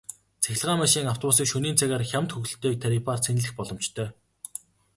Цахилгаан машин, автобусыг шөнийн цагаар хямд хөнгөлөлттэй тарифаар цэнэглэх боломжтой.